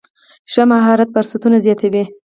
ښه مهارت فرصتونه زیاتوي.